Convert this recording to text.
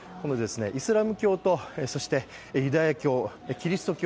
イスラム教とユダヤ教キリスト教